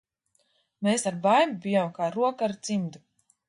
Mēs ar Baibu bijām kā roka ar cimdu.